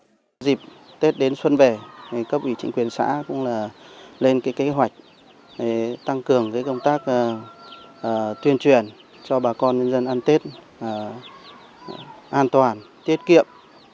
đặc biệt trong dịp tết đến xuân về các vị trịnh quyền xã cũng lên kế hoạch tăng cường công tác tuyên truyền cho bà con nhân dân ăn tết an toàn tiết kiệm